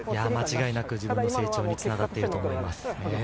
間違いなく自分の成長につながっていると思います。